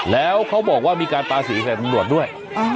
แล้วเขาบอกว่ามีการตาสีใส่ตำรวจด้วย